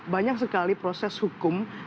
banyak sekali proses hukum